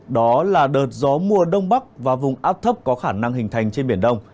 đó là đợt gió mùa đông bắc và vùng áp thấp có khả năng hình thành trên biển đông